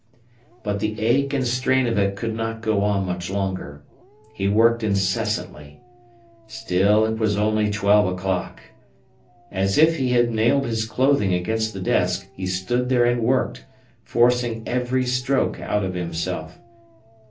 But the ache and strain of it could not go on much longer. He worked incessantly. Still it was only twelve o'clock. As if he had nailed his clothing against the desk, he stood there and worked, forcing every stroke out of himself.